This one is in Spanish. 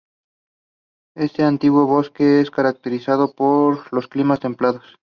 Este antiguo bosque es característico de los climas templados.